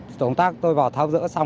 tổ công tác tôi vào tháo rỡ xong